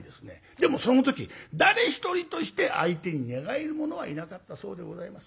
でもその時誰一人として相手に寝返る者はいなかったそうでございます。